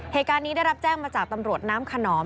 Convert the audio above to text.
เหตุการณ์นี้ได้รับแจ้งมาจากตำรวจน้ำขนอม